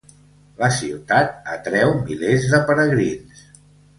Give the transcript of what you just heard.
La ciutat atreu milers de peregrins.